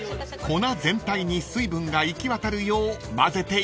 ［粉全体に水分が行き渡るよう混ぜていきます］